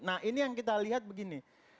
nah ini yang kita lihat begini